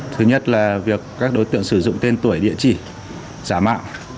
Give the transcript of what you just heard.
thứ nhất là việc các đối tượng sử dụng tên tuổi địa chỉ giả mạo